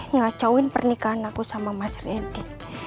nyacauin pernikahan aku sama mas reddy